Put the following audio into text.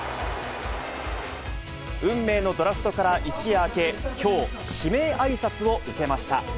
運命のドラフトから一夜明け、きょう指名あいさつを受けました。